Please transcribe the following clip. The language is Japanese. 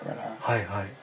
はいはい。